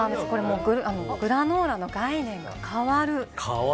グラノーラの概念が変わる。